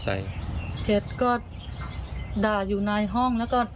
หัวศัตรูก็ด่าอยู่ในห้อง